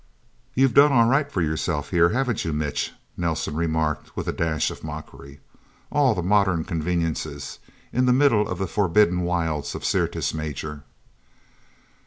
"You've done all right for yourself here, haven't you, Mitch?" Nelsen remarked with a dash of mockery. "All the modern conveniences in the middle of the forbidden wilds of Syrtis Major."